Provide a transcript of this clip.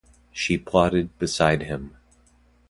She plodded beside him.